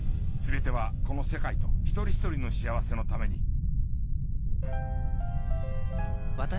全てはこの世界と一人一人の幸せのために。